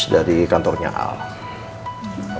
nanti aku akan berbicara sama nino